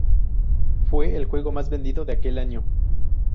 Fue el juego más vendido de aquel año.